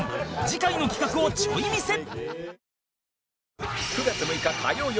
次回の企画をちょい見せ